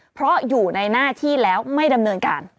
เพราะอยู่ในหน้าที่แล้วไม่ดำเนินการ